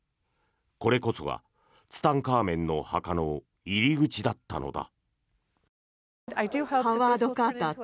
これこそがツタンカーメンの墓の入り口だったのだ。